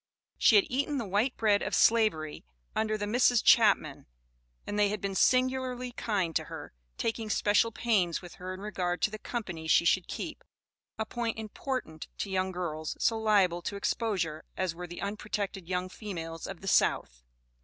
She had eaten the white bread of Slavery, under the Misses Chapman, and they had been singularly kind to her, taking special pains with her in regard to the company she should keep, a point important to young girls, so liable to exposure as were the unprotected young females of the South.